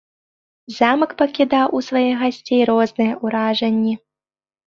Замак пакідаў у сваіх гасцей розныя ўражанні.